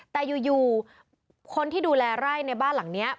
แต่อยู่คนที่ดูแลไร่ในบ้านหลังนี้